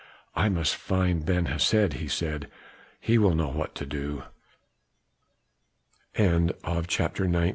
"I must find Ben Hesed," he said. "He will know what to do." CHAPTER XX.